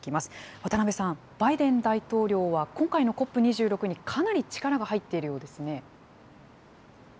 渡辺さん、バイデン大統領は、今回のＣＯＰ２６にかなり力が入っているようですね。